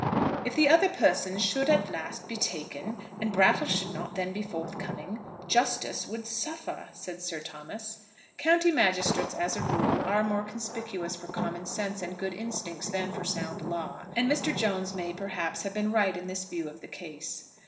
"If the other persons should at last be taken, and Brattle should not then be forthcoming, justice would suffer," said Sir Thomas. County magistrates, as a rule, are more conspicuous for common sense and good instincts than for sound law; and Mr. Jones may, perhaps, have been right in his view of the case.